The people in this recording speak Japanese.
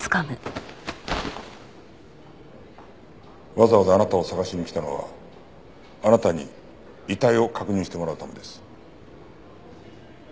わざわざあなたを捜しに来たのはあなたに遺体を確認してもらうためです。